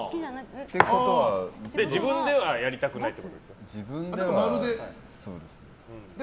自分ではやりたくないってことですか？